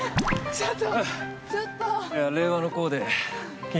ちょっと。